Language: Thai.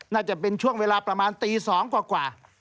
น่าจะเป็นช่วงเวลาประมาณตี๒กว่า